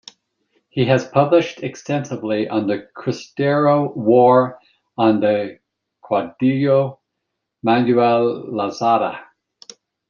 He has published extensively on the Cristero War and on the caudillo Manuel Lozada.